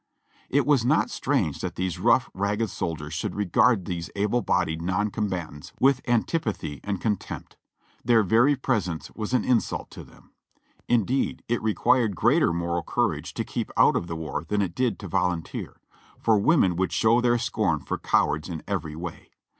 It was not strange that these rough, ragged soldiers should regard these able bodied non combatants with antipathy and con tempt; their very presence was an insult to them. Indeed it re quired greater moral courage to keep out of the war than it did to volunteer, for women would show their scorn for cowards in every way.